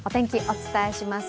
お伝えします。